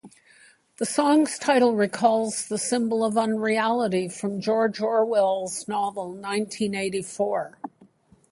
The song's title recalls the symbol of unreality from George Orwell's novel "Nineteen Eighty-Four".